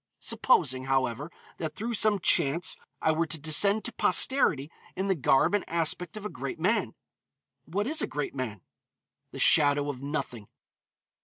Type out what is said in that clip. Supposing, however, that through some chance I were to descend to posterity in the garb and aspect of a great man. What is a great man? The shadow of nothing.